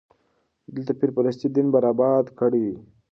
دلته پير پرستي دين برباد کړی دی.